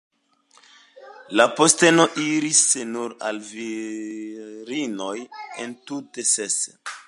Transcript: La posteno iris nur al virinoj, entute ses.